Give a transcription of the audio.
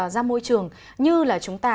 ra môi trường như là chúng ta